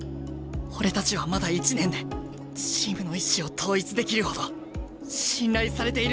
俺たちはまだ１年でチームの意思を統一できるほど信頼されている選手はいねえ。